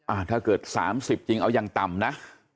ถ้าเกิด๓๐จริงเอายังต่ำนะ